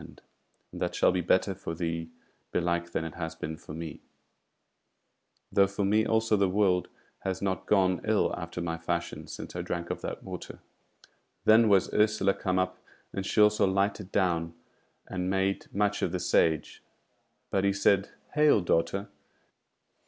And that shall be better for thee belike than it has been for me; though for me also the world has not gone ill after my fashion since I drank of that water." Then was Ursula come up, and she also lighted down and made much of the Sage. But he said: "Hail, daughter!